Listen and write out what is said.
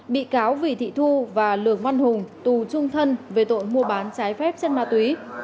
bị cáo vì thị thu và lường văn hùng tù trung thân về tội mua bán trái phép chất ma túy